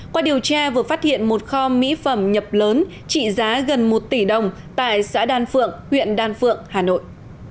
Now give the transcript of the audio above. qua điều tra vừa phát hiện một kho mỹ phẩm nhập lớn trị giá gần một tỷ đồng tại xã đan phượng huyện đan phượng hà nội